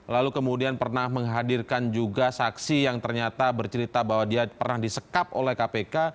lalu kemudian pernah menghadirkan juga saksi yang ternyata bercerita bahwa dia pernah disekap oleh kpk